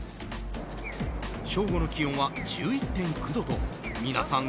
正午の気温は１１．９度と皆さん